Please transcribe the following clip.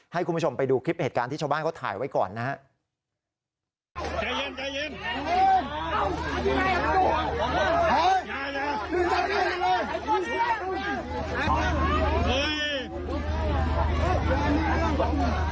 ให้คุณผู้ชมไปดูคลิปเหตุการณ์ที่ชาวบ้านเขาถ่ายไว้ก่อนนะครับ